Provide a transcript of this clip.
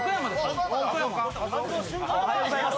おはようございます。